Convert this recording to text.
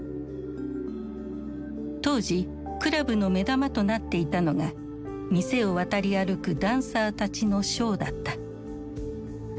当時クラブの目玉となっていたのが店を渡り歩くダンサーたちのショーだった。